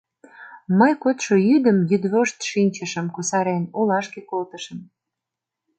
Мый кодшо йӱдым йӱдвошт шинчышым, кусарен, олашке колтышым.